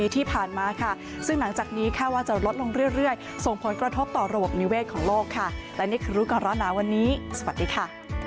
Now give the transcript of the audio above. ที่ผ่านมาค่ะซึ่งหลังจากนี้ค่าว่าจะลดลงเรื่อยส่งผลกระทบต่อระบบนิเวศของโลกค่ะและนี่คือรู้ก่อนร้อนหนาวันนี้สวัสดีค่ะ